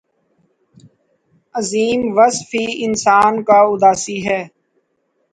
عظیم وصف ہی انسان کا اداسی ہے